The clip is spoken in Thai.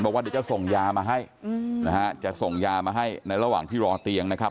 บอกว่าเดี๋ยวจะส่งยามาให้นะฮะจะส่งยามาให้ในระหว่างที่รอเตียงนะครับ